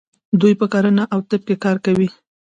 دوی په کرنه او طب کې کار کوي.